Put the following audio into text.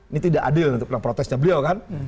ini tidak adil untuk protesnya beliau kan